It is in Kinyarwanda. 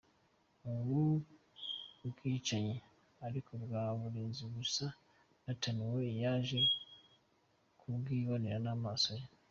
Ubu bwicanyi ariko wa murinzi bise Nathan we yaje kubwibonera n’amaso ye.